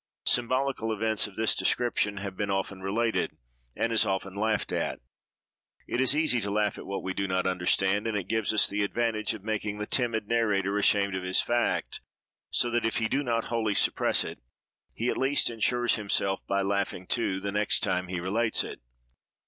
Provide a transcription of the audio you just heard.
Symbolical events of this description have been often related, and as often laughed at. It is easy to laugh at what we do not understand; and it gives us the advantage of making the timid narrator ashamed of his fact, so that if he do not wholly suppress it, he at least insures himself by laughing, too, the next time he relates it.